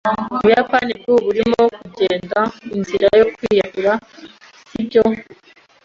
Ubuyapani bwubu burimo kugenda inzira yo kwiyahura, sibyo? (fcbond)